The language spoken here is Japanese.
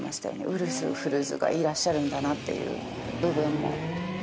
ウルフルズがいらっしゃるっていう部分も。